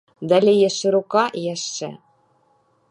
Далей яшчэ рука і яшчэ.